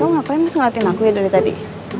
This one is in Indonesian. lo ngapain mas ngeliatin aku ya dari tadi